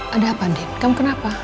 ada apa deh kamu kenapa